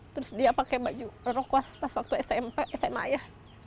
terus dia pakai baju rokwas pas waktu sma ya